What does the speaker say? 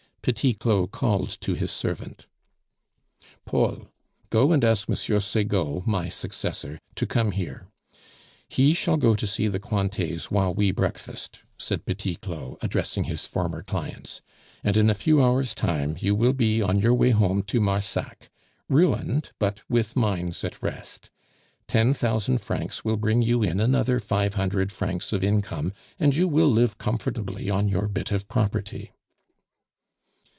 Petit Claud called to his servant. "Paul! go and ask M. Segaud, my successor, to come here. He shall go to see the Cointets while we breakfast" said Petit Claud, addressing his former clients, "and in a few hours' time you will be on your way home to Marsac, ruined, but with minds at rest. Ten thousand francs will bring you in another five hundred francs of income, and you will live comfortably on your bit of property."